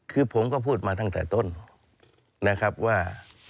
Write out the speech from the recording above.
คือผมก็พูดมาตั้งแต่ต้นนะครับว่า